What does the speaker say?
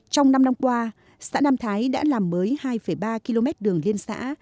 trong năm năm qua xã nam thái đã làm mới hai ba km đường liên xã